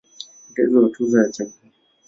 Uteuzi wa Tuzo ya Chaguo.